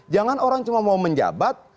jangan orang cuma mau menjabat